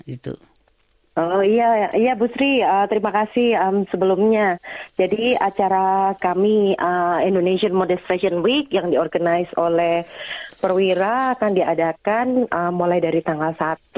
iya bu sri terima kasih sebelumnya jadi acara kami indonesian modest fashion week yang diorganize oleh perwira akan diadakan mulai dari tanggal satu